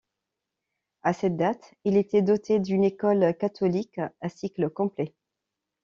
À cette date il était doté d'une école catholique à cycle complet.